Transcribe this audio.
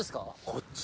こっち。